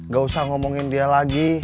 gak usah ngomongin dia lagi